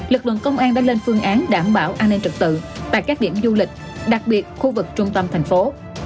lực lượng công an đã lên phương án đảm bảo an ninh trật tự tại các điểm du lịch đặc biệt khu vực trung tâm thành phố